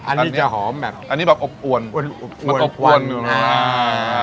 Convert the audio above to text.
อันนี้จะหอมแบบอันนี้แบบอบอวนอบอวนอบอวนอบอวนอ่า